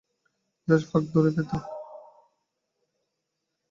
Just ফাক দূরে পেতে!